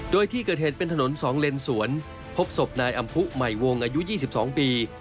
โดยที่เกิดเหตุเป็นถนน๒เลนสวนพบศพนายอำพุใหม่วงอายุ๒๒ปี